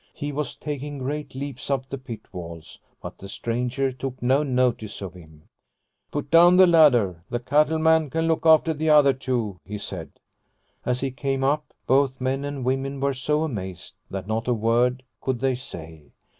He was taking great leaps up the pit walls, but the stranger took no notice of him. " Put down the ladder. The cattle man can look after the other two," he said. As he came up both men and women were so amazed that not a word could they say.